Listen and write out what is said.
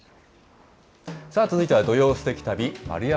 続いては土曜すてき旅。